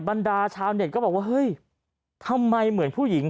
บรรดาชาวเน็ตก็บอกว่าเฮ้ยทำไมเหมือนผู้หญิง